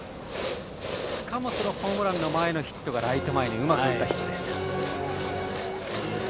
しかも、ホームランの前のヒットはライト前にうまく打ったヒットでした。